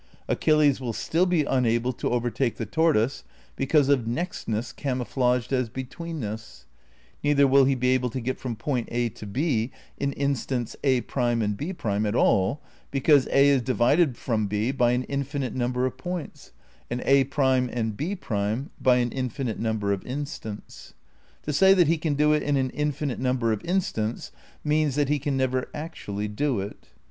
Achilles will still be unable to overtake the tortoise because of nextness camouflaged as betweenness; neither will he be able to get from point A to B in instants A' and B' at all, because A is divided from B by an infinite mmaber of points and A' and B' by an infinite number of instants. To say that he can do it in an infinite mmaber of instants means that he can never actually do it.